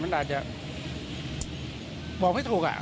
มันอาจจะบอกไม่ถูก